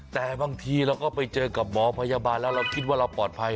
แต่บางทีเราก็ไปเจอกับหมอพยาบาลแล้วเราคิดว่าเราปลอดภัย